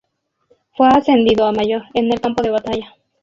Fue ascendido a mayor, en el campo de batalla.